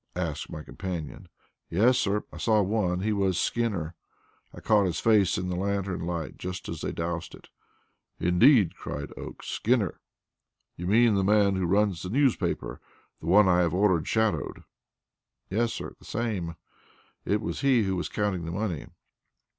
asked my companion. "Yes, sir, I saw one; he was Skinner. I caught his face in the lantern light just as they doused it." "Indeed!" cried Oakes. "Skinner! You mean the man who runs the newspaper the one I have ordered shadowed." "Yes, sir; the same. It was he who was counting the money."